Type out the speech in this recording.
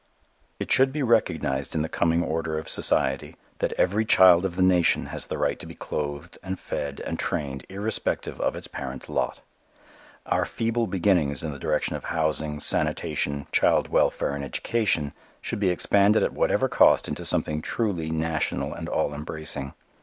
It should be recognized in the coming order of society, that every child of the nation has the right to be clothed and fed and trained irrespective of its parents' lot. Our feeble beginnings in the direction of housing, sanitation, child welfare and education, should be expanded at whatever cost into something truly national and all embracing.